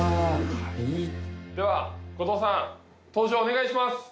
では後藤さん登場お願いします！